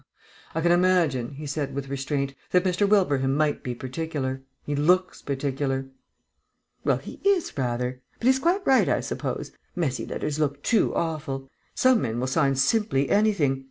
"I can imagine," he said, with restraint, "that Mr. Wilbraham might be particular. He looks particular." "Well, he is, rather. But he's quite right, I suppose. Messy letters look too awful. Some men will sign simply anything.